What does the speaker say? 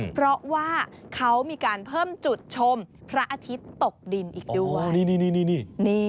เพราะว่าเขามีการเพิ่มจุดชมพระอาทิตย์ตกดินอีกด้วย